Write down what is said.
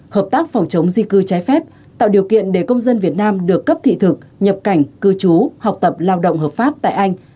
hợp tác phòng chống di cư trái phép tạo điều kiện để công dân việt nam được cấp thị thực nhập cảnh cư trú học tập lao động hợp pháp tại anh